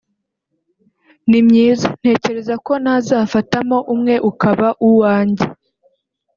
ni myiza ntekereza ko nazafatamo umwe ukaba uwanjye